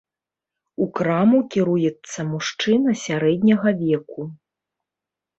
У краму кіруецца мужчына сярэдняга веку.